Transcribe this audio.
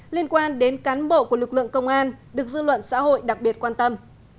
liên quan đến cán bộ của lực lượng công an được dư luận xã hội đặc biệt quan tâm